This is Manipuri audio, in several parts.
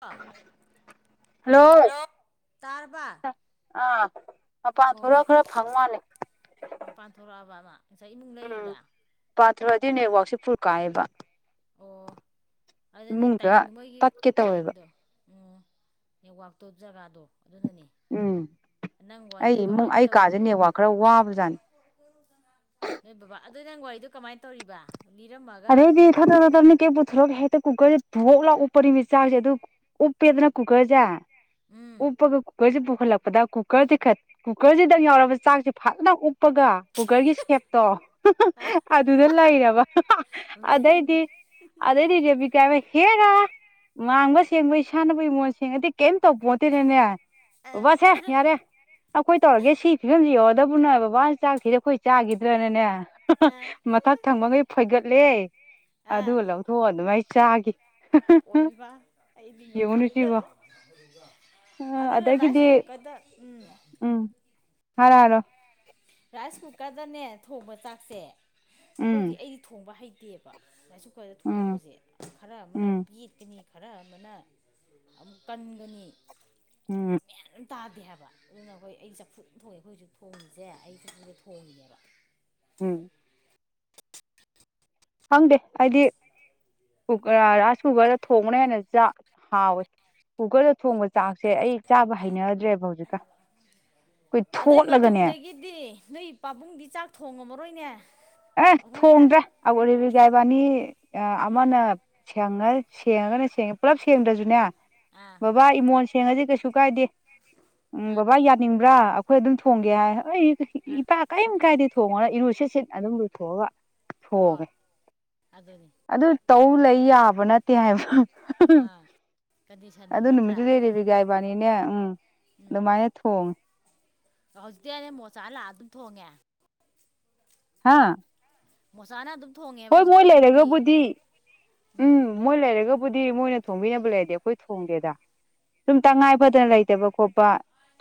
ꯑ ꯍꯜꯂꯣ ꯇꯔꯕꯥ ꯃꯄꯥꯥꯟ ꯊꯣꯛꯔ ꯈꯔ ꯐꯪ ꯃꯥꯜꯂꯦ ꯃꯄꯥꯟ ꯊꯣꯛꯔꯛꯑꯕ ꯑꯃ ꯉꯁꯥꯏ ꯏꯃꯨꯡ ꯂꯩꯔꯤꯔ ꯑꯗꯨ ꯅꯦꯠꯋꯥꯛꯁꯦ ꯐꯨꯜ ꯀꯥꯏꯑꯦꯕ ꯑꯣ ꯑꯗꯨꯅꯦ ꯇꯥꯏꯝ ꯏꯃꯨꯡꯗ ꯃꯣꯏꯒꯤ ꯇꯠꯀꯦ ꯇꯧꯋꯦꯕ ꯇꯥꯏꯝꯗꯣ ꯎꯝ ꯅꯋꯥꯛꯇꯣꯔꯤꯕ ꯖꯒꯥꯗꯣ ꯑꯗꯨꯅꯅꯦ ꯎꯝ ꯅꯪ ꯑꯩ ꯋꯥꯔꯤꯗꯣ ꯏꯃꯨꯡ ꯀꯃꯥꯏꯅ ꯑꯩ ꯀꯥꯁꯦ ꯇꯧꯔꯤꯕꯗꯣ ꯅꯦꯠꯋꯥꯛ ꯈꯔ ꯋꯥꯕꯖꯥꯠꯅꯤ ꯑꯗꯨꯏ ꯅꯪ ꯋꯥꯔꯤꯗꯣ ꯀꯃꯥꯏꯅ ꯇꯧꯔꯤꯕ ꯂꯤꯔꯝꯃꯒ ꯑꯔꯦꯗꯤꯦꯊ ꯇꯔ ꯇꯔꯅ ꯀꯌꯥ ꯄꯨꯊꯂꯣꯒ ꯍꯦ ꯀꯨꯀꯔꯁꯦ ꯣꯛ ꯂꯥꯛ ꯎꯞꯄꯅꯤꯃꯤ ꯆꯥꯛꯁꯦ ꯑꯗꯨ ꯎꯞꯄꯦꯗꯅ ꯀꯨꯀꯔꯁꯦ ꯎꯝ ꯎꯞꯄꯒ ꯀꯨꯀꯔꯁꯤ ꯄꯨꯈꯠꯂꯛꯄꯗ ꯀꯨꯀꯔꯁꯤ ꯀꯨꯀꯔꯁꯤꯗꯪ ꯌꯥꯎꯔꯕ ꯆꯥꯛꯁꯤ ꯐꯖꯅ ꯎ ꯀꯨꯞꯄꯒ ꯀꯨꯀꯔꯒꯤ ꯁꯦꯞꯇꯣ ꯑꯗꯨꯗ ꯂꯩꯔꯕ ꯑꯗꯩꯗꯤ ꯑꯗꯩꯗꯤ ꯔꯕꯤ ꯀꯥꯏꯃꯦ ꯍꯦꯒ ꯉꯥꯡꯕ ꯁꯦꯡꯕ ꯁꯥꯟꯅꯕ ꯏ ꯃꯣꯟ ꯁꯦꯡꯉꯗꯤ ꯀꯩꯝꯇꯧ ꯄꯣꯠꯇꯦꯔꯅꯦ ꯑꯥ ꯕꯕꯥꯁꯦ ꯌꯥꯔꯦ ꯑꯩꯈꯣꯏ ꯇꯧꯔꯒꯦ ꯁꯤ ꯐꯤꯕꯝꯁꯤ ꯌꯧꯔꯗꯕꯅ ꯕꯕꯥꯅ ꯆꯥꯛ ꯊꯤꯔꯛ ꯑꯩꯈꯣꯏ ꯆꯥꯈꯤꯗ꯭ꯔꯅꯅꯦ ꯃꯊꯛ ꯊꯪꯕꯈꯩ ꯐꯣꯏꯒꯠ ꯌꯦ ꯑꯗꯨ ꯂꯧꯊꯣꯛꯑ ꯑꯗꯨꯃꯥꯏ ꯆꯥꯈꯤ ꯑꯣꯜꯕ ꯌꯦꯡꯉꯨꯅꯦ ꯑꯩꯗꯤꯉꯗ ꯁꯤꯕꯣ ꯑꯗꯨ꯭ꯔ ꯔꯥꯏꯁ ꯀꯨꯀꯗ ꯎꯝ ꯍꯥꯔ ꯍꯔꯣ ꯔꯥꯏꯁ ꯀꯨꯀꯔꯗꯅꯦ ꯊꯣꯡꯕ ꯇꯥꯛꯁꯦ ꯎꯝ ꯑꯩꯈꯣꯏꯗꯤ ꯑꯩꯗꯤ ꯊꯣꯡꯕ ꯍꯩꯇꯦ ꯅꯠꯇꯦꯕ ꯑꯁꯨ ꯀꯨꯀꯔꯗ ꯎꯝ ꯊꯣꯡꯕꯁꯦ ꯈꯔ ꯑꯃꯅ ꯑꯃꯨꯛ ꯎꯝ ꯄꯦꯠꯀꯅꯤ ꯈꯔ ꯑꯃꯅ ꯑꯃꯨꯛ ꯀꯟꯒꯅꯤ ꯎꯝ ꯒ꯭ꯌꯥꯟ ꯑꯝ ꯇꯥꯗꯦ ꯍꯥꯏꯕ ꯑꯗꯨꯅ ꯑꯩꯈꯣꯏ ꯑꯩ ꯆꯐꯨ ꯊꯣꯡꯉꯦ ꯑꯩꯈꯣꯏ ꯍꯧꯖꯤꯛ ꯊꯣꯡꯉꯤꯁꯦ ꯑꯩ ꯆꯐꯨꯁꯦ ꯊꯣꯡꯉꯤꯦꯕ ꯎꯝ ꯐꯪꯗꯦ ꯍꯥꯏꯗꯤ ꯀꯨ ꯔꯥꯁ ꯀꯨꯒꯔꯗ ꯊꯣꯡꯅꯦꯅ ꯍꯥꯎꯋꯣꯏ ꯀꯨꯀꯔꯗ ꯊꯣꯡꯕ ꯆꯥꯛꯁꯦ ꯑꯩ ꯆꯥꯕ ꯍꯩꯅꯗ꯭ꯔꯦꯕ ꯍꯧꯖꯤꯛꯀ ꯑꯗꯨꯏ ꯃꯇꯨꯡꯗꯒꯤꯗꯤ ꯅꯣꯏ ꯄꯥꯕꯨꯡꯗꯤ ꯆꯥꯛ ꯊꯣꯡꯉꯝꯃꯔꯣꯏꯅꯦ ꯑꯦ ꯑꯩꯈꯣꯏꯅ ꯊꯣꯡꯗ꯭ꯔꯥ ꯑꯔꯕꯤꯒꯥꯏꯕꯥꯅꯤ ꯑꯃꯅ ꯁꯉ ꯁꯦꯡꯉꯒꯅ ꯁꯦꯡꯉꯦ ꯄꯨꯂꯞ ꯁꯦꯡꯗ꯭ꯔꯁꯨꯅꯦ ꯑꯥ ꯕꯕꯥ ꯏꯃꯣꯟ ꯁꯦꯡꯉꯁꯤ ꯀꯩꯁꯨ ꯀꯥꯏꯗꯦ ꯎꯝ ꯑꯥ ꯕꯕꯥ ꯌꯥꯅꯤꯡꯕ꯭ꯔꯥ ꯑꯩꯈꯣꯏ ꯑꯗꯨꯝ ꯊꯣꯡꯒꯦ ꯍꯥꯏ ꯑꯩ ꯑꯥ ꯏꯄꯥ ꯀꯔꯤꯝ ꯀꯥꯏꯗꯤ ꯊꯣꯡꯉꯅ ꯏꯔꯨꯁꯤꯠ ꯁꯤꯠ ꯑꯗꯨꯝ ꯂꯨꯊꯣꯛꯑꯒ ꯍꯣꯏ ꯊꯣꯡꯉꯦ ꯑꯗꯨꯅꯤ ꯑꯗꯨ ꯇꯧ ꯂꯩ ꯌꯥꯕ ꯅꯠꯇꯦ ꯍꯥꯏꯕ [unintelligible] ꯑꯥ ꯀꯟꯗꯤꯁꯟꯗꯣ ꯑꯗꯨ ꯅꯠꯇ꯭ꯔꯥ ꯅꯨꯃꯤꯠꯇꯨꯗꯩ ꯔꯦꯕꯤꯒ ꯏꯕꯥꯅꯤꯅꯦ ꯎꯝ ꯎꯝ ꯑꯗꯨꯃꯥꯏꯅ ꯊꯣꯡꯉꯦ ꯍꯧꯖꯤꯛꯇꯤ ꯑꯅꯦ ꯃꯣꯆꯥ ꯂꯥꯛꯑ ꯑꯗꯨꯝ ꯊꯣꯡꯉꯦ ꯍꯥꯥ ꯃꯣꯁꯥꯥꯟ ꯑꯗꯨꯝ ꯊꯣꯡꯉꯦꯕ ꯍꯣꯏ ꯃꯣꯏ ꯍꯧꯖꯤꯛꯀꯥꯟꯗꯨꯗꯤ ꯂꯩꯔꯒꯕꯨꯗꯤ ꯎꯝ ꯃꯣꯏ ꯂꯩꯔꯒꯕꯨ ꯕꯨꯗꯤ ꯃꯣꯏꯅ ꯊꯣꯡꯕꯤꯅꯕ ꯂꯩꯔꯗꯤ ꯑꯩꯈꯣꯏ ꯊꯣꯡꯗꯦꯗ ꯁꯨꯝ ꯑꯥ ꯇꯉꯥꯏ ꯐꯗꯅ ꯂꯩꯇꯕ ꯈꯣꯠꯄ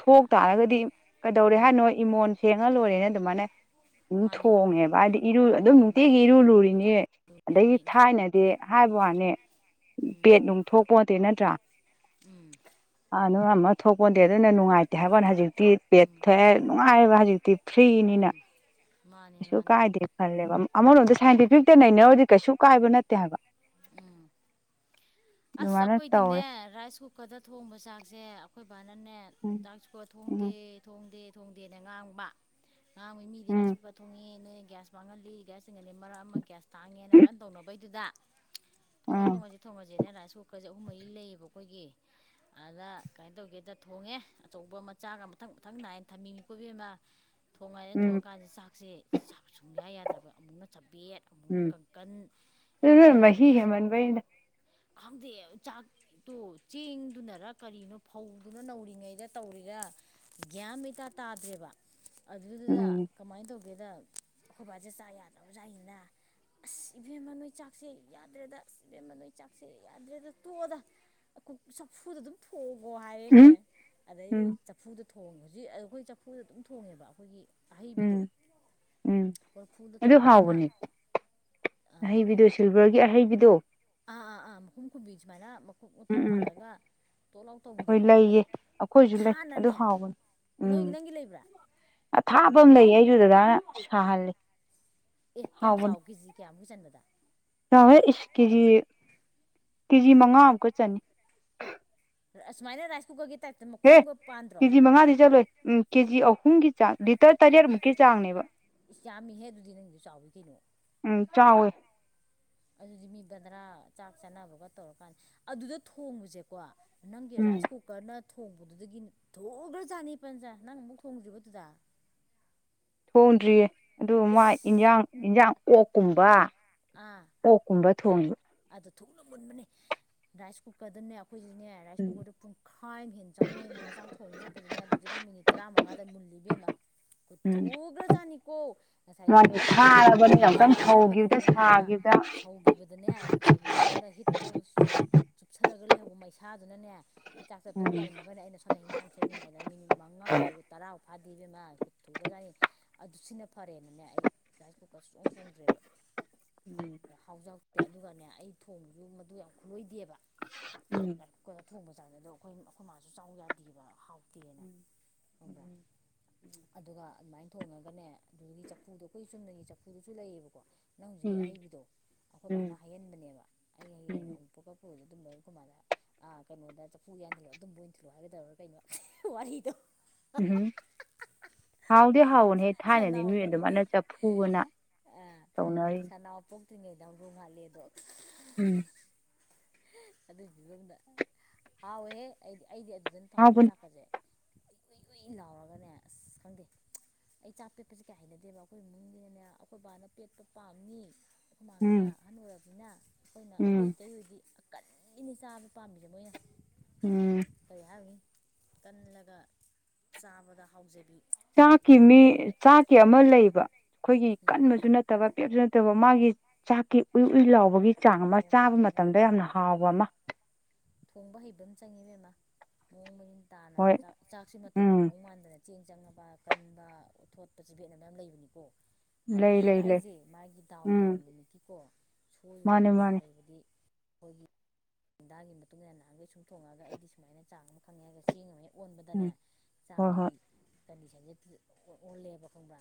ꯊꯣꯛ ꯑꯥ ꯇꯥꯔꯒꯗꯤ ꯀꯩꯗꯧꯔꯦ ꯎꯝ ꯍꯥꯏꯅꯣ ꯏꯃꯣꯟ ꯁꯦꯡꯉ ꯂꯣꯏꯔꯦꯅ ꯑꯗꯨꯃꯥꯏꯅ ꯑꯗꯨꯝ ꯃꯥꯅꯦ ꯊꯣꯡꯉꯦꯕ ꯍꯥꯏꯗꯤ ꯏꯔꯨ ꯑꯗꯨꯝ ꯎꯝ ꯅꯨꯡꯇꯤꯒꯤ ꯏꯔꯨ ꯂꯨꯔꯤꯅꯤ ꯑꯗꯒꯤ ꯂꯨꯕꯅꯤ ꯊꯥꯏꯅꯗꯤ ꯍꯥꯏꯕ ꯋꯥꯅꯤ ꯎꯝ ꯄꯦꯠ ꯅꯨꯡꯊꯣꯛꯄꯣꯠꯇꯦ ꯅꯠꯇ꯭ꯔꯥ ꯎꯝ ꯑ ꯑꯗꯨ ꯑꯃ ꯊꯣꯛꯄꯣꯟꯗꯤꯦ ꯑꯗꯨꯅ ꯅꯨꯡꯉꯥꯏꯇꯦ ꯍꯥꯏꯕ ꯍꯧꯖꯤꯛ ꯍꯧꯖꯤꯛꯇꯤ ꯄꯦꯠ ꯎꯝ ꯊꯦ ꯅꯨꯡꯉꯥꯏꯕ ꯍꯧꯖꯤꯛꯇꯤ ꯐ꯭ꯔꯤꯅꯤꯅ ꯎꯝ ꯃꯥꯅꯦ ꯀꯩꯁꯨ ꯃꯥꯅꯦ ꯀꯥꯏꯗꯦ ꯈꯜꯂꯦꯕ ꯑꯃꯔꯣꯝꯗ ꯁꯥꯏꯟꯇꯤꯐꯤꯛꯇ ꯅꯩꯅꯧ ꯀꯩꯁꯨ ꯀꯥꯏꯕ ꯅꯠꯇꯦ ꯍꯥꯏꯕ ꯎꯝ ꯑꯁ ꯑꯗꯨꯃꯥꯏꯅ ꯑꯩꯈꯣꯏꯗꯤꯅꯦ ꯇꯧꯔꯦ ꯔꯥꯏꯁ ꯀꯨꯀꯔꯗ ꯊꯣꯡꯕ ꯆꯥꯛꯁꯦ ꯕꯥꯅꯅꯦ ꯎꯝ ꯆꯥꯛꯁꯨꯀꯣ ꯊꯣꯡꯗꯦ ꯎꯝ ꯊꯣꯡꯗꯦ ꯊꯣꯡꯗꯦꯅ ꯉꯥꯡꯕ ꯉꯥꯡꯕꯩ ꯃꯤꯗꯤ ꯔꯥꯏꯁ ꯎꯝ ꯀꯨꯀꯔ ꯊꯣꯡꯉꯦ ꯅꯣꯏ ꯒ꯭ꯌꯥꯁ ꯃꯥꯡꯍꯜꯂꯤ ꯒ꯭ꯌꯥ ꯆꯤꯡꯒꯜꯂꯤ ꯃꯔꯛ ꯑꯃ ꯒ꯭ꯌꯥ ꯇꯥꯡꯉꯦꯅ ꯀꯩꯅ ꯇꯧꯅꯕꯩꯗꯨꯗ ꯊꯣꯡꯉ ꯎꯝ ꯊꯣꯡꯉꯁ ꯊꯣꯡꯉꯁꯅꯦ ꯂꯁꯨꯀꯁꯨ ꯑꯍꯨꯝꯍꯩ ꯂꯩꯌꯦꯕ ꯑꯩꯈꯣꯏꯒꯤ ꯑꯗꯨꯗ ꯀꯃꯥꯏꯅ ꯇꯧꯒꯦꯗ ꯊꯣꯡꯉꯦ ꯑꯆꯧꯕ ꯃꯆꯥꯒ ꯃꯊꯪ ꯃꯊꯪ ꯅꯥꯏꯅ ꯊꯝꯅꯤꯡꯉꯤ ꯀꯣꯕꯤ ꯑꯃ ꯊꯣꯡꯉꯥꯏꯗꯅ ꯎꯝ ꯊꯣꯡꯉꯀꯥꯟꯗ ꯆꯥꯛꯁꯤꯛ ꯁꯨꯡꯌꯥ ꯌꯥꯗ꯭ꯔꯕ ꯑꯃꯨꯛꯅ ꯆꯄꯦꯠ ꯑꯃꯨꯛꯅ ꯎꯝ ꯄꯟ ꯍꯥꯏꯗꯤ ꯑꯗꯨ ꯃꯍꯤ ꯏꯪꯉꯤꯉꯩꯗ ꯏꯁꯤꯡ ꯍꯦꯃꯟꯕꯩꯅ ꯈꯪꯗꯦ ꯆꯥꯛꯇꯣ ꯆꯦꯡꯗꯨꯅꯔ ꯀꯔꯤꯅꯣ ꯐꯧꯗꯨꯅ ꯅꯧꯔꯤꯉꯩꯗ ꯇꯧꯔꯤꯉꯩ ꯒ꯭ꯌꯥꯟ ꯃꯩꯇꯥ ꯇꯥꯗ꯭ꯔꯦꯕ ꯑꯗꯨꯗꯨꯗ ꯎꯝ ꯀꯃꯥꯏꯅ ꯇꯧꯒꯦꯗ ꯑꯩꯈꯣꯏꯕꯥꯁꯦ ꯆꯥ ꯌꯥꯗꯕꯖꯥꯏꯅ ꯑꯁ ꯏꯕꯦꯝꯃꯅꯣꯏ ꯆꯥꯛꯁꯦ ꯌꯥꯗ꯭ꯔꯦꯗꯁ ꯏꯕꯦꯝꯃꯅꯣꯏ ꯆꯥꯛꯁꯦ ꯌꯥꯗ꯭ꯔꯦꯗ ꯇꯣꯛꯑꯗ ꯆꯐꯨꯗ ꯑꯗꯨꯝ ꯊꯣꯛꯎ ꯍꯪꯒꯣ ꯍꯥꯏꯔꯦꯅꯦ ꯎꯝ ꯑꯗꯩꯗꯤ ꯎꯝ ꯆꯐꯨꯗ ꯊꯣꯡꯉꯦ ꯍꯧꯖꯤꯛ ꯑꯩꯈꯣꯏ ꯆꯐꯨꯗ ꯑꯗꯨꯝ ꯊꯣꯡꯉꯦꯕ ꯑꯩꯈꯣꯏꯒꯤ ꯑꯍꯩꯕꯤꯗꯣ ꯎꯝ ꯎꯝ ꯀꯣꯔꯐꯨꯗ ꯑꯗꯨꯗꯤ ꯇꯧꯔꯒ ꯑꯃ ꯍꯥꯎꯕꯅꯤ ꯑꯍꯩꯕꯤꯗꯨꯣ ꯁꯤꯜꯚꯔꯒꯤ ꯑꯍꯩꯕꯤꯗꯣ ꯑꯥ ꯑꯥ ꯑꯥ ꯃꯈꯀꯨꯝ ꯈꯨꯕꯤꯖꯃꯅ ꯃꯈꯨꯝ ꯎꯝ ꯎꯇ꯭ꯔꯣꯛ ꯎꯝ ꯄꯥꯜꯂꯒ ꯇꯣꯠ ꯑꯥꯎꯠ ꯇꯧꯕꯤꯗꯣ ꯍꯣꯏ ꯑꯗꯨ ꯂꯩꯌꯦ ꯑꯩꯈꯣꯏꯁꯨ ꯂꯩ ꯑꯗꯨ ꯊꯥꯅꯅꯦ ꯅꯣꯏ ꯅꯪꯒꯤ ꯂꯩꯕ꯭ꯔꯥ ꯑꯊꯥꯞꯐꯝ ꯑꯃ ꯂꯩ ꯑꯩꯁꯨꯗꯗꯥꯅ ꯁꯥꯍꯜꯂꯤ ꯑꯦ ꯀꯌꯥꯝ ꯆꯥꯎ ꯀꯦꯖꯤ ꯀꯌꯥꯃꯨꯛ ꯆꯟꯕꯗ ꯌꯥꯋꯦ ꯏꯁ ꯀꯦꯖꯤ ꯀꯦꯖꯤ ꯃꯉꯥ ꯑꯃꯨꯛꯀ ꯆꯅꯤ ꯑꯨꯃꯥꯏꯅ ꯔꯥꯏꯀꯨꯒ ꯍꯦ ꯀꯦꯖꯤ ꯃꯉꯥꯗꯤ ꯆꯠꯂꯣꯏ ꯎꯝ ꯀꯦꯖꯤ ꯑꯧ ꯄꯨꯝꯒꯤ ꯆꯥꯡ ꯂꯤꯇꯔ ꯇꯥꯖꯔꯃꯨꯛꯀꯤ ꯆꯥꯡꯅꯦꯕ ꯏꯁ ꯌꯥꯝꯃꯤꯍꯦ ꯑꯗꯨꯗꯤ ꯅꯪꯁꯨ ꯆꯥꯎꯋ ꯀꯩꯅꯣ ꯎꯝ ꯆꯥꯎꯏ ꯑꯗꯨꯗꯤ ꯃꯤ ꯕꯟꯗ꯭ꯔꯥ ꯆꯥꯛ ꯆꯥꯅꯕꯒ ꯇꯧꯔꯀꯥꯟꯗ ꯑꯗꯨꯗ ꯊꯣꯡꯕꯁꯦꯀꯣ ꯅꯪꯒꯤ ꯎꯝ ꯔꯥꯏꯁ ꯀꯨꯀꯔ ꯅ ꯊꯣꯡꯕꯗꯨꯗꯒꯤ ꯊꯣꯡꯈ꯭ꯔꯖꯥꯠꯅꯤ ꯄꯟꯁ ꯅꯪ ꯑꯃꯨꯛ ꯊꯣꯡꯗ꯭ꯔꯤꯕꯗꯨꯗ ꯍꯣꯡꯗ꯭ꯔꯤꯌꯦ ꯑꯗꯨ ꯃꯥ ꯏꯁ ꯏꯟꯖꯥꯡ ꯏꯟꯁꯥꯡ ꯑꯣꯛꯀꯨꯝꯕ ꯑꯥ ꯑꯣꯛꯀꯨꯝꯕ ꯊꯣꯡꯕ ꯑꯗꯣ ꯊꯨꯅ ꯃꯨꯟꯕꯅꯤ ꯔꯥꯏꯁ ꯀꯨꯀꯔꯗꯅꯦ ꯑꯩꯈꯣꯏꯁꯤꯅꯦ ꯔꯥꯏꯁ ꯎꯝ ꯀꯨꯀꯔꯗꯨꯣ ꯄꯨꯡꯈꯥꯏ ꯑꯃ ꯍꯦꯟꯟꯅ ꯆꯪꯉꯦꯕꯅꯤꯅ ꯆꯥꯛ ꯊꯣꯡꯕ ꯆꯛꯄꯗꯨꯗꯅꯦ ꯑꯗꯨꯗ ꯃꯤꯅꯤꯠ ꯇꯔꯥꯃꯉꯥꯗ ꯃꯨ ꯎꯝ ꯀꯊꯨꯈ꯭ꯔꯖꯥꯠꯅꯤꯀꯣ ꯉꯁꯥꯏꯒꯤ ꯃꯥꯗꯤ ꯃꯥꯒꯤ ꯊꯥꯔꯕꯅꯤꯅ ꯑꯃꯨꯛꯇꯪ ꯁꯧꯈꯤꯕꯗ ꯊꯥꯔꯕꯅꯤꯅꯅꯦ ꯑꯥ ꯁꯥꯈꯤꯕꯗ ꯁꯧꯈꯤꯕꯗꯅꯦ ꯉꯁꯥꯏꯒꯤ ꯃꯉꯣꯟꯗ ꯍꯤꯠꯇꯣ ꯆꯨꯞꯁꯜꯂꯒ ꯂꯩꯍꯧꯕ ꯃꯩꯁꯥꯗꯨꯅꯅꯦ ꯆꯥꯛ ꯆꯠꯊꯣꯛ ꯎꯝ ꯌꯥꯔꯝꯃꯒꯅꯦ ꯑꯩꯅ ꯁꯣꯗ ꯍꯤꯟꯖꯥꯡ ꯁꯦꯝꯃꯤꯉꯥꯏꯗꯅ ꯃꯤꯃꯤꯠ ꯃꯉꯥꯐꯥꯎ ꯇꯔꯥ ꯐꯥꯗꯦꯕꯃꯊꯨꯑꯖꯥꯠꯅꯤ ꯑꯗꯨ ꯁꯤꯅ ꯐꯔꯦꯅꯅꯦ ꯑꯩ ꯔꯥꯏꯁ ꯀꯨꯀꯔꯁꯨ ꯆꯣꯡ ꯊꯣꯡꯗ꯭ꯔꯦꯕ ꯎꯝ ꯍꯥꯎꯖꯥꯎꯗꯦ ꯑꯗꯨꯒꯅꯦ ꯑꯩ ꯊꯣꯡꯉꯁꯨ ꯃꯗꯨ ꯌꯥꯝ ꯈꯨꯠꯂꯣꯏꯗꯦꯕ ꯎꯝ ꯌꯥꯝ ꯀꯩꯅꯣ ꯊꯣꯡꯕ ꯆꯥꯡꯁꯦ ꯑꯗꯣ ꯑꯩꯈꯣꯏ ꯑꯩꯈꯣꯏ ꯃꯥꯁꯨ ꯆꯥꯎ ꯌꯥꯗꯦꯕ ꯍꯥꯎ ꯐꯠꯇꯦꯅ ꯈꯪꯕ꯭ꯔꯦ ꯑꯗꯨꯒ ꯑꯗꯨꯃꯥꯏꯅ ꯊꯣꯡꯉꯒꯅꯦ ꯑꯗꯨꯒꯤ ꯆ ꯆꯐꯨꯗꯣ ꯑꯩꯈꯣꯏ ꯆꯨꯝꯅꯒꯤ ꯆꯐꯨꯗꯨꯁꯨ ꯂꯩꯌꯦꯕꯀꯣ ꯒꯤ ꯑꯍꯩꯕꯤꯗꯣ ꯑꯩꯈꯣꯏ ꯎꯝ ꯎꯝ ꯕꯥꯅ ꯍꯩꯍꯟꯕꯅꯦꯕ ꯑꯩ ꯍꯌꯦꯡ ꯎꯝ ꯑꯃꯨꯛ ꯀꯄꯗ ꯑꯗꯨꯝꯕ ꯀꯃꯥꯗ ꯑ ꯀꯩꯅꯣꯗ ꯆꯐꯨ ꯌꯥꯟꯁꯤꯜꯂꯣꯑꯣ ꯑꯗꯨꯝꯕ ꯑꯣꯏꯟꯁꯤꯜꯂꯛꯑꯣ ꯍꯥꯏꯒꯗꯧꯔ ꯀꯩꯅꯣ ꯋꯥꯔꯤꯗꯣ ꯎꯝ ꯍꯥꯎꯗ ꯍꯥꯎꯑꯣꯅꯦ ꯍꯦꯛ ꯊꯥꯏꯅꯗꯤ ꯁꯟꯅꯥꯎ ꯃꯤ ꯀꯔꯤ ꯑꯗꯨꯃꯅ ꯆꯐꯨꯒꯅ ꯇꯧꯅꯔꯤ ꯇ꯭ꯔꯤꯉꯩꯗꯝ ꯔꯨꯉꯂꯦꯗꯣ ꯎꯝ ꯑꯗꯨꯗꯨ ꯍꯥꯎꯋꯦꯍꯦ ꯑꯩꯗꯤ ꯑꯩꯗꯤ ꯑꯗꯨꯗꯅ ꯊꯥꯎꯅꯤ ꯍꯥꯎꯕꯅꯤ ꯆꯥꯛꯀꯁꯦ ꯏꯨꯏ ꯏꯨꯏ ꯂꯥꯎꯔꯒꯅꯦ ꯑꯁ ꯈꯪꯗꯦ ꯑꯩ ꯆꯥꯛ ꯄꯦꯠꯄꯁꯦ ꯀꯩ ꯍꯩꯅꯗꯦꯕ ꯑꯩꯈꯣꯏꯒꯤ ꯏꯃꯨꯡꯁꯤꯅꯅꯦ ꯑꯩꯈꯣꯏ ꯕꯕꯥꯅ ꯄꯦꯠꯄ ꯄꯥꯝꯅꯤ ꯁꯃꯒꯅ ꯎꯝ ꯑꯍꯟ ꯑꯣꯏꯨꯔꯔꯕꯅꯤꯅ ꯑꯩꯈꯣꯏꯅ ꯑꯩꯈꯣꯏ ꯎꯝ ꯏꯇꯩ ꯍꯗꯤ ꯀꯟꯅꯤ ꯆꯥꯕ ꯄꯥꯝꯃꯤꯁꯦ ꯃꯣꯏꯅ ꯎꯝ ꯀꯔꯤ ꯍꯥꯏꯕꯅꯤ ꯀꯜꯂꯒ ꯆꯥꯕꯗ ꯍꯥꯎꯖꯕꯤ ꯆꯥꯛꯀꯤ ꯃꯤ ꯀꯥꯡꯕꯨꯅꯦꯕ ꯆꯥꯛꯀꯤ ꯑꯃ ꯂꯩꯕ ꯑꯩꯈꯣꯏꯒꯤ ꯎꯝ ꯀꯟꯕꯁꯨ ꯅꯠꯇꯕ ꯄꯦꯞꯁꯨ ꯅꯠꯇꯕ ꯃꯥꯒꯤ ꯆꯥꯛꯀꯤ ꯎꯏ ꯎꯏ ꯂꯥꯎꯕꯒꯤ ꯛꯆꯥꯡ ꯑꯃ ꯍꯣ ꯍꯣ ꯆꯥꯕ ꯍꯣ ꯍꯣ ꯃꯇꯝꯗ ꯍꯣ ꯍꯣꯏ ꯌꯥꯝꯅ ꯍꯥꯎꯕ ꯑꯃ ꯊꯣꯡꯕ ꯍꯩꯕ ꯑꯃ ꯆꯪꯉꯤꯗꯅ ꯃꯑꯣꯡ ꯃꯔꯤꯡ ꯇꯥꯅ ꯍꯣꯏ ꯆꯥꯛ ꯆꯥꯛꯁꯤ ꯃꯇꯩ ꯎꯝ ꯃꯑꯣꯡ ꯃꯥꯟꯗꯅ ꯆꯦꯡ ꯆꯪꯉꯕ ꯀꯟꯕ ꯊꯣꯠꯄꯁꯦ ꯕꯦꯠꯅ ꯃꯌꯥꯝ ꯂꯩꯕꯅꯤꯀꯣ ꯂꯩ ꯍꯔꯦꯛ ꯂꯩ ꯂꯩ ꯍꯥꯏꯁꯩ ꯃꯥꯒꯤ ꯗꯥꯎꯗꯥꯎ ꯎꯝ ꯅꯨꯃꯤꯀꯤꯀꯣ ꯁꯣꯏꯣꯏ ꯃꯥꯅꯦ ꯑꯗꯨ ꯃꯥꯅꯦ ꯂꯩꯕꯗꯤ ꯑꯩꯈꯣꯏꯒꯤ ꯍꯟꯗꯥꯒꯤ ꯃꯇꯨꯡ ꯏꯟꯅ ꯅꯍꯥꯟꯒꯩ ꯁꯨꯝꯊꯣꯡꯉꯕꯅꯤꯅ ꯑꯩꯗꯤ ꯁꯨꯃꯥꯏꯅ ꯆꯥꯡ ꯑꯃ ꯈꯪꯉꯦ ꯍꯥꯏꯒ ꯆꯦꯡ ꯑꯃ ꯑꯣꯟꯕꯗꯅꯦ ꯎꯝ ꯍꯣꯏ ꯆꯥꯛꯀꯤ ꯍꯣꯏ ꯀꯟꯗꯤꯁꯟꯁꯦ ꯑꯣꯜꯂꯦꯕ ꯈꯪꯕ꯭ꯔꯥ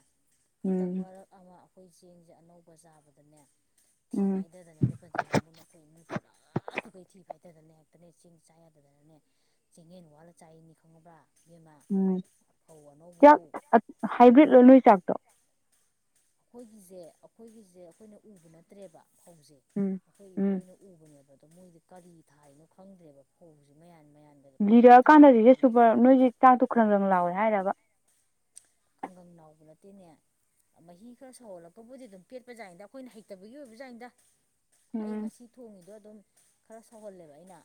ꯍꯟꯇꯛ ꯎꯝ ꯃꯔꯛ ꯑꯃ ꯑꯩꯈꯣꯏ ꯆꯦꯡꯁꯦ ꯑꯅꯧꯕ ꯆꯥꯕꯗꯅꯦ ꯊꯤ ꯎꯝ ꯐꯥꯏꯗꯗꯅ ꯂꯦꯄꯜ ꯆꯅꯕꯨꯅꯈꯣꯏ ꯏꯃꯨꯡ ꯇꯨꯔꯥ ꯇꯨꯀꯩ ꯍꯥꯏꯇꯗꯅ ꯍꯦꯛꯇꯅꯦ ꯆꯤꯡ ꯆꯥ ꯌꯥꯗꯗꯅꯅꯦ ꯆꯤꯡꯌꯦꯟ ꯋꯥꯠꯂ ꯆꯥꯏꯅꯤ ꯈꯪꯉꯕ꯭ꯔꯥ ꯏꯕꯦꯝꯃ ꯎꯝ ꯐꯧ ꯆꯥꯛ ꯑꯅꯧꯕꯗꯣ ꯍꯥꯏꯕ꯭ꯔꯤꯠ ꯂꯣꯏ ꯅꯣꯏ ꯆꯥꯛꯇꯣ ꯑꯩꯈꯣꯏꯒꯤꯁꯦ ꯑꯩꯈꯣꯏꯒꯤꯁꯦ ꯑꯩꯈꯣꯏꯅ ꯎꯕ ꯅꯠꯇ꯭ꯔꯦꯕ ꯐꯧꯖꯦ ꯎꯝ ꯑꯩꯈꯣꯏ ꯏꯕꯨ ꯎꯝ ꯑꯣꯏꯅ ꯎꯕꯅꯦꯕ ꯑꯗꯣ ꯃꯣꯏꯗꯤ ꯀꯔꯤ ꯊꯥꯏꯅꯣ ꯈꯪꯗ꯭ꯔꯦꯕ ꯐꯧꯁꯦ ꯃꯌꯥꯝ ꯂꯤꯔꯛꯑꯀꯥꯟꯗꯗꯤ ꯍꯦ ꯁꯨꯄꯔ ꯅꯣꯏꯁꯦ ꯆꯥꯛꯇꯨ ꯈ꯭ꯔꯔꯪꯗꯪ ꯂꯥꯎꯋꯦ ꯍꯥꯏꯔꯕ ꯈꯪꯒꯪ ꯅꯥꯎꯕ ꯅꯠꯇꯦꯅꯦ ꯃꯍꯤ ꯈꯔ ꯁꯧꯍꯜꯂꯛꯄꯕꯨꯗꯤ ꯑꯗꯨꯝ ꯄꯦꯠꯄꯖꯥꯏꯗ ꯑꯩꯈꯣꯏꯅ ꯍꯩꯇꯕꯒꯤ ꯑꯣꯏꯕꯖꯥꯟꯗ ꯑꯩ ꯎꯝ ꯉꯁꯤ ꯊꯣꯡꯉꯤꯗꯣ ꯑꯗꯨꯝ ꯈꯔ ꯁꯧꯍꯜꯂꯦꯕ ꯑꯩꯅ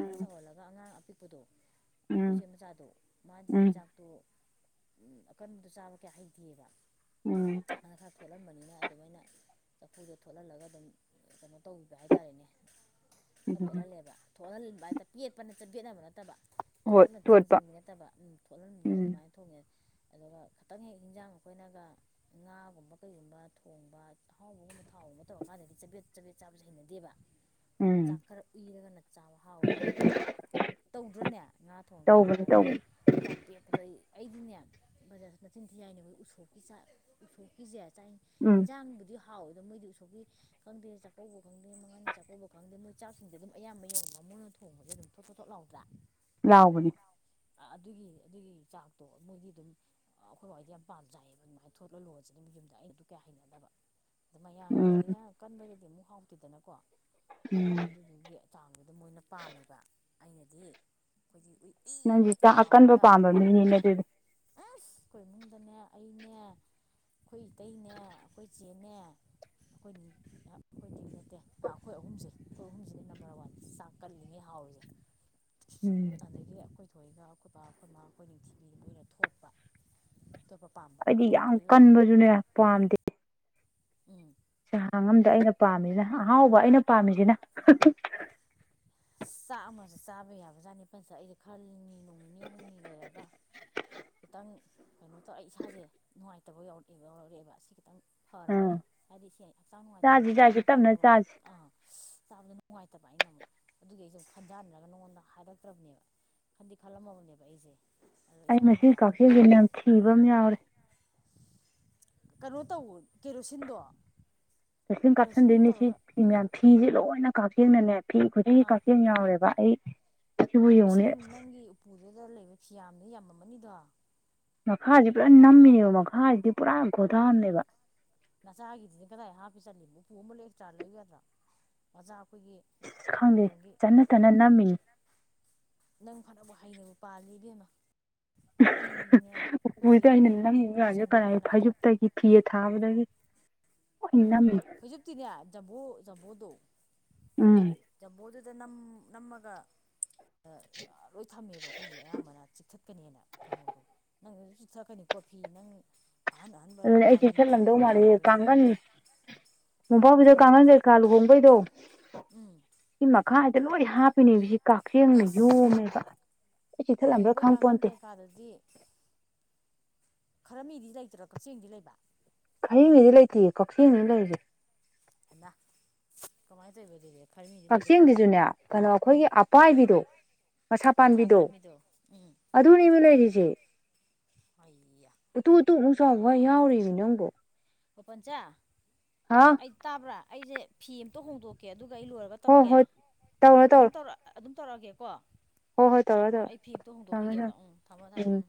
ꯈꯔ ꯁꯧꯍꯜꯂꯒ ꯑꯉꯥꯡ ꯑꯄꯤꯛ ꯀꯄꯗꯣ ꯎꯝ ꯑꯩꯈꯣꯏꯁꯦ ꯃꯆꯥꯗꯣ ꯃꯥꯗꯤ ꯎꯝ ꯆꯥꯛꯇꯣ ꯑ ꯀꯟꯕꯗꯨꯣ ꯆꯥꯕ ꯀꯌꯥ ꯍꯩꯇꯦꯑꯕ ꯎꯝ ꯊꯣꯠꯂꯝꯟꯕꯅꯤꯅ ꯑꯗꯨꯃꯥꯏꯅ ꯆꯐꯨꯗꯣ ꯊꯣꯠꯍꯜꯂꯒ ꯑꯗꯨꯝ ꯀꯩꯅꯣ ꯇꯧꯕꯤꯕ ꯍꯥꯏꯇꯥꯔꯦꯅꯦ ꯈ ꯎꯝ ꯎꯝ ꯄꯦꯠꯍꯜꯂꯦꯕ ꯊꯣꯛꯍꯟꯟꯕ ꯍꯥꯏꯦ ꯄꯦꯠꯄ ꯅꯠꯇꯕꯦꯠꯅꯕ ꯅꯠꯇꯕ ꯍꯣꯏ ꯊꯣꯠꯅ ꯆꯦꯡ ꯊꯣꯠꯄ ꯆꯪꯕ ꯅꯠꯇꯕ ꯎꯝ ꯊꯣꯠꯍꯟꯕ ꯎꯝ ꯑꯗꯨꯃꯥꯏꯅ ꯊꯣꯡꯉꯦ ꯑꯗꯨꯒ ꯈꯇꯪ ꯍꯦꯛ ꯌꯦꯟꯖꯥꯡ ꯑꯩꯈꯣꯏꯅꯒ ꯉꯥꯒꯨꯝꯕ ꯀꯩꯒꯨꯝꯕ ꯊꯣꯡꯕ ꯑꯍꯥꯎꯕꯒꯨꯝꯕ ꯊꯥꯎ ꯑ ꯃꯇꯧ ꯃꯀꯥꯟꯗꯗꯤ ꯆꯕꯦꯠ ꯆꯄꯦꯠ ꯆꯥꯕꯖꯦ ꯍꯩꯅꯗꯦꯕ ꯎꯝ ꯆꯥꯛ ꯈꯔ ꯎꯏꯔꯒꯅ ꯆꯥꯕ ꯍꯥꯎꯋꯦꯕ ꯇꯧꯗ꯭ꯔꯅꯦ ꯉꯥ ꯊꯣꯡꯉꯀꯥꯟꯗ ꯇꯧꯕꯅꯤ ꯍꯥꯏꯗꯤ ꯇꯧꯕꯅꯤ ꯆꯥꯛ ꯄꯦꯠꯄꯗꯣ ꯑꯩ ꯑꯩꯗꯤꯅꯦ ꯕꯖꯥꯔ ꯃꯆꯤꯟ ꯊꯤ ꯌꯥꯏꯅꯤꯕ ꯎꯁꯣꯛꯀꯤ ꯆꯥꯛ ꯎꯁꯣꯛꯀꯤꯖꯦ ꯆꯥꯛꯅꯤ ꯎꯝ ꯍꯤꯟꯖꯥꯡꯕꯨꯗꯤ ꯊꯥꯎꯋꯦꯗꯣ ꯃꯣꯏꯗꯤ ꯎꯁꯧꯀꯤ ꯈꯪꯗꯦ ꯆꯥꯛꯀꯧꯕ ꯈꯪꯗꯦ ꯃꯉꯥꯅꯤ ꯆꯥꯛꯀꯧꯕ ꯈꯪꯗꯦ ꯃꯣꯏ ꯆꯥꯛꯁꯤꯡꯁꯦ ꯑꯗꯨꯝ ꯑꯌꯥꯝꯕ ꯌꯦꯡꯝ ꯅꯉꯣꯟꯅ ꯊꯣꯡꯉꯦ ꯑꯗꯨꯝꯇꯣ ꯄꯣꯇꯣ ꯂꯥꯎꯕ꯭ꯔꯥ ꯂꯥꯎꯕꯅꯤ ꯑꯗꯨꯒꯤ ꯑꯗꯨꯒꯤ ꯆꯥꯛꯇꯣ ꯃꯣꯏꯒꯤ ꯑꯗꯨꯝ ꯑꯩꯈꯣꯏ ꯋꯥꯍꯣꯏꯗꯤ ꯌꯥꯝ ꯄꯥꯝꯖꯩꯑꯕ ꯑꯗꯨꯃꯥꯏꯅ ꯊꯣꯠꯂꯒ ꯂꯣꯜꯁꯤꯅꯦ ꯌꯨꯝꯗ ꯑꯩꯗꯤ ꯀꯌꯥ ꯍꯩꯅꯗꯕ ꯑꯗ ꯎꯝ ꯃꯌꯥꯝꯒꯤꯅꯤꯅ ꯀꯟꯕꯗꯗꯤ ꯑꯃꯨꯛ ꯍꯥꯎꯇꯦꯗꯅꯀꯣ ꯎꯝ ꯑꯗꯨꯗꯨꯒꯤ ꯆꯥꯡꯗꯨ ꯑꯗꯨ ꯃꯣꯏꯅ ꯄꯥꯝꯃꯤꯕ ꯑꯩꯅꯗꯤ ꯑꯩꯈꯣꯏꯒꯤ ꯎꯏ ꯎꯏ ꯅꯪꯖꯤꯇꯥ ꯑꯀꯟꯕ ꯂꯥꯎꯔꯒ ꯄꯥꯝꯕ ꯃꯤꯅꯤꯅꯦ ꯑꯗꯨꯗꯤ ꯑꯁ ꯑꯩꯈꯣꯏ ꯏꯃꯨꯡꯗꯅꯦ ꯑꯩꯅꯦ ꯑꯩꯈꯣꯏ ꯏꯇꯩꯅꯦ ꯑꯩꯈꯣꯏ ꯏꯆꯦꯅꯦ ꯑꯩꯈꯣꯏ ꯑꯩꯈꯣꯏꯗꯤ ꯅꯠꯇꯦ ꯑꯩꯈꯣꯏ ꯑꯍꯨꯝꯁꯦ ꯑꯩꯈꯣꯏ ꯑꯍꯨꯝꯁꯤꯅ ꯅꯝꯕꯔ ꯋꯥꯟ ꯆꯥꯛ ꯀꯜꯂꯤꯉꯩ ꯍꯥꯎ ꯍꯧ ꯌꯥ ꯎꯝ ꯀꯣꯏꯊꯣꯛꯏꯒ ꯑꯩꯀꯣꯏꯕ ꯑꯩꯈꯣꯏꯕ ꯑꯩꯈꯣꯏ ꯅꯤꯡꯅꯨꯡꯊꯤꯕꯤ ꯃꯣꯏꯅ ꯊꯣꯠꯄ ꯑꯇꯣꯞꯄ ꯑꯩꯗꯤ ꯌꯥꯝ ꯀꯟꯕꯁꯨꯅꯦ ꯄꯥꯝꯗꯦ ꯎꯝ ꯆꯦꯍꯥꯡ ꯑꯝꯗ ꯑꯩꯅ ꯄꯥꯝꯃꯤꯁꯤꯅ ꯑꯍꯥꯎꯕ ꯑꯩꯅ ꯄꯥꯝꯃꯤꯁꯤꯅ ꯆꯥꯛ ꯑꯃꯁꯨ ꯆꯥꯕ ꯌꯥꯕ ꯆꯥꯅꯤꯄꯜꯁ ꯑꯩꯗꯤ ꯈꯜꯂꯤꯅꯤ ꯅꯨꯣꯡ ꯅꯤꯅꯤ ꯍꯨꯝꯅꯤ ꯂꯩꯔꯒ ꯈꯤꯇꯪ ꯀꯩꯅꯣ ꯇꯧꯔ ꯑꯩ ꯏꯁꯥꯖꯦ ꯅꯨꯡꯉꯥꯏꯇꯕ ꯌꯥꯎꯔꯛꯑꯦꯕ ꯌꯥꯎꯔꯛꯑꯦꯕ ꯁꯤ ꯈꯤꯇꯪ ꯐꯔꯒꯅꯦ ꯍꯥꯏꯗꯤ ꯏ ꯍꯛꯆꯥꯡ ꯆꯥꯁꯤ ꯅꯨꯡꯉꯥꯏꯇ꯭ꯔꯤꯉꯩꯗꯗꯤ ꯆꯥꯁꯤ ꯊꯥꯎ ꯇꯞꯅ ꯊꯨꯝꯉꯨꯔꯣ ꯆꯥꯁꯤ ꯑꯥ ꯆꯥꯕꯗ ꯅꯨꯡꯉꯥꯏꯇꯕ ꯑꯩꯅ ꯑꯃꯨꯛ ꯑꯗꯨꯒꯤ ꯑꯩꯁꯨꯨꯛ ꯈꯟꯖꯅꯔꯒ ꯅꯉꯣꯟꯗ ꯍꯥꯏꯔꯛꯇ꯭ꯔꯕꯅꯦꯕ ꯈꯟꯗꯤ ꯈꯜꯂꯝꯃꯕꯅꯦꯕ ꯑꯩꯁꯦ ꯑꯗꯣ ꯑꯩ ꯏꯁꯥꯁꯦ ꯃꯁꯤ ꯀꯛꯆꯦꯜꯁꯤ ꯅꯨꯡꯉꯥꯏꯔꯛꯇꯕꯗꯒꯤ ꯅꯝꯊꯤꯕ ꯑꯃ ꯌꯥꯎꯔꯦ ꯀꯩꯅꯣ ꯇꯧ ꯀꯦꯔꯣꯁꯤꯟꯗꯣ ꯀꯩꯁꯂꯤꯨꯝ ꯀꯦꯔꯣꯁꯤꯟ ꯀꯥꯞꯁꯤꯟꯗꯣꯏꯅꯦ ꯁꯤ ꯇꯧꯔꯒ ꯐꯤ ꯃꯌꯥꯝ ꯐꯤꯁꯦ ꯂꯣꯏꯅ ꯀꯥꯞꯁꯤꯦꯡꯅꯅꯦ ꯐꯤ ꯈꯨꯗꯤꯡꯒꯤ ꯑꯥ ꯀꯛꯆꯦꯜ ꯌꯥꯎꯔꯦꯕ ꯑꯩ ꯁꯤꯕꯨ ꯏꯁ ꯌꯦꯡꯉꯨꯅꯦ ꯅꯪ ꯅꯪꯒꯤ ꯎꯄꯨꯗꯨꯗ ꯂꯩꯕ ꯐꯤꯌꯥꯝꯗꯨ ꯌꯥꯝꯃꯝꯃꯅꯤꯗꯣ ꯃꯈꯥꯁꯤ ꯄꯨꯔꯥ ꯅꯝꯃꯤꯅꯦꯕ ꯃꯈꯥꯁꯤꯗꯤ ꯄꯨꯔꯥ ꯒꯣꯊꯥꯑꯝꯃꯦꯕ ꯅꯆꯥꯒꯤꯗꯨꯗꯤ ꯀꯗꯥꯏ ꯍꯥꯞꯄꯤ ꯆꯠꯂꯤꯕ ꯎꯄꯨ ꯑꯃ ꯂꯦꯛ ꯆꯥꯔ ꯂꯩꯒꯗ꯭ꯔꯥ ꯅꯆꯥ ꯏꯁ ꯈꯪꯗꯦ ꯆꯠꯅ ꯆꯅ ꯅꯝꯃꯤꯅꯤ ꯐꯅꯅꯕꯕꯨ ꯍꯩꯅꯅꯕ ꯄꯥꯜꯂꯤ ꯏꯕꯦꯝꯃ ꯑꯩꯅꯦ ꯑꯩꯈꯣꯏ ꯎꯄꯨꯗꯤ ꯆꯦꯒꯤꯅꯦ ꯑꯩꯅ ꯅꯪ ꯎꯄꯨ ꯌꯥꯗ ꯀꯔꯥꯏ ꯆꯟꯗꯗꯅ ꯐꯥꯏꯖꯨꯞꯇꯒꯤ ꯐꯤ ꯊꯥꯕꯗꯒꯤ ꯐꯣꯏꯖꯛꯇꯤꯅꯦ ꯖꯃꯨ ꯖꯃꯨꯗꯣ ꯎꯝ ꯖꯃꯨꯗ ꯑꯗ ꯅ ꯅꯃꯒ ꯂꯣꯏ ꯊꯝꯃꯦꯕ ꯑꯩꯈꯣꯏꯗꯤ ꯑꯌꯥꯝꯕꯅ ꯆꯤꯛꯊꯠꯀꯅꯦꯅ ꯀꯩꯅꯣꯗꯣ ꯅꯪ ꯆꯨꯊꯅꯤ ꯀꯣꯐꯤ ꯅꯪ ꯑꯍꯥꯟ ꯑꯍꯥꯟꯕꯔ ꯑꯗꯨꯅꯦ ꯑꯩ ꯂꯥꯟꯃꯤ ꯄꯤꯒꯦ ꯆꯦꯛꯁꯤꯜꯂꯝꯗꯧ ꯀꯔꯤ ꯀꯥ ꯃꯥꯜꯂꯦ ꯂꯩ ꯃꯌꯥꯝꯗꯣ ꯑꯐꯥꯎꯕꯤꯗ ꯀꯥꯡꯈꯟ ꯀꯩꯀꯥ ꯂꯨꯍꯣꯡꯕꯩꯗꯣ ꯎꯝ ꯁꯤ ꯃꯈꯥꯏꯗ ꯂꯣꯏ ꯍꯥꯞꯄꯤꯅꯦ ꯁꯤ ꯀꯛꯆꯦꯡꯅ ꯑꯦꯁ ꯌꯣꯝꯃꯦꯕ ꯑꯩ ꯆꯤ ꯊꯠꯂꯝꯕ꯭ꯔꯥ ꯈꯪ ꯄꯣꯟꯇꯦ ꯈꯔ ꯃꯤꯗꯤ ꯂꯩꯇ꯭ꯔꯣ ꯀꯛꯆꯤꯡꯗꯤ ꯂꯩꯕ ꯍꯌꯦꯡꯉꯩꯗꯤ ꯂꯩꯇꯦꯌꯦ ꯀꯛꯆꯤꯡꯅꯤ ꯂꯩꯔꯤꯁꯦ ꯍ ꯀꯃꯥꯏ ꯇꯕꯗꯤ ꯔꯦ ꯀꯛꯆꯤꯡꯁꯤꯁꯨꯅꯦ ꯀꯩꯅꯣ ꯑꯩꯈꯣꯏꯒꯤ ꯑꯄꯥꯏꯕꯤꯗꯣ ꯃꯁꯥ ꯄꯥꯝꯕꯤꯗꯣ ꯑꯗꯨꯅꯦꯕꯨ ꯂꯩꯔꯤꯁꯦ ꯑꯣꯏꯌꯥ ꯆꯥꯎꯕꯣꯏ ꯌꯥꯎꯔꯤꯕꯅꯤ ꯅꯪꯕꯨꯣ ꯑꯣꯣꯄꯟꯆꯥ ꯑꯩ ꯇꯥꯕ꯭ꯔꯥ ꯑꯩꯁꯦ ꯐꯤ ꯑꯃꯇ ꯍꯣꯡꯗꯣꯛꯀꯦ ꯑꯗꯨ ꯑꯩ ꯂꯣꯏꯔꯒ ꯍꯣꯏ ꯇꯧꯔꯛꯀꯦ ꯍꯣꯏ ꯇꯧꯔꯣ ꯑꯗꯨꯝ ꯇꯧꯔꯣ ꯇꯧꯔ ꯑꯗꯨꯝ ꯇꯧꯔꯛꯑꯒꯦꯀꯣ ꯍꯣꯏ ꯍꯣꯏ ꯑꯩ ꯐꯤꯝꯇꯣ ꯊꯝꯃꯦ ꯍꯣꯡꯗꯣꯛꯈꯤꯒꯦꯕ ꯊꯝꯃꯦ ꯎꯝ ꯊꯝꯃꯣ ꯊꯝꯃꯣ ꯎꯝ